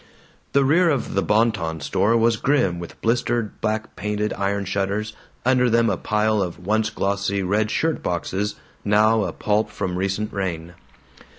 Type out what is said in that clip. The rear of the Bon Ton Store was grim with blistered black painted iron shutters, under them a pile of once glossy red shirt boxes, now a pulp from recent rain.